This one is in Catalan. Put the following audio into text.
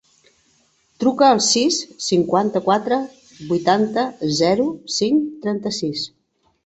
Truca al sis, cinquanta-quatre, vuitanta, zero, cinc, trenta-sis.